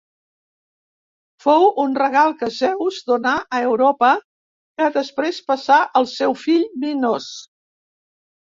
Fou un regal que Zeus donà a Europa que després passà al seu fill Minos.